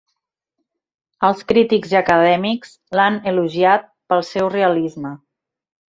Els crítics i acadèmics l'han elogiat pel seu realisme.